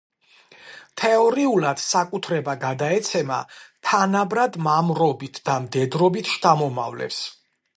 თეორიულად საკუთრება გადაეცემა თანაბრად მამრობით და მდედრობით შთამომავლებს.